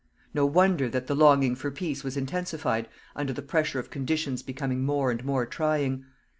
No wonder that the longing for peace was intensified under the pressure of conditions becoming more and more trying.